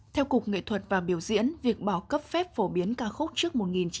theo cục nghệ thuật và biểu diễn việc bỏ cấp phép phổ biến ca khúc trước một nghìn chín trăm bảy mươi